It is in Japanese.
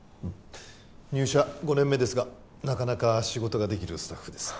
入社５年目ですがなかなか仕事ができるスタッフです